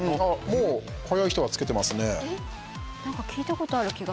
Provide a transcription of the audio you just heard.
もう早い人はつけてますね。